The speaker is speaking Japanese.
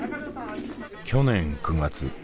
去年９月。